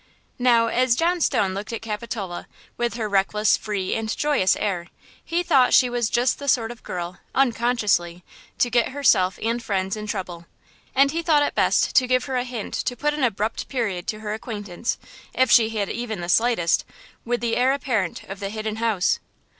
Now, as John Stone looked at Capitola, with her reckless, free and joyous air, he thought she was just the sort of girl, unconsciously, to get herself and friends in trouble. And he thought it best to give her a hint to put an abrupt period to her acquaintance, if she had even the slightest, with the heir apparent of the Hidden House.